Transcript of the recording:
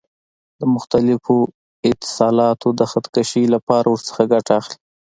د مختلفو اتصالاتو د خط کشۍ لپاره ورڅخه ګټه اخلي.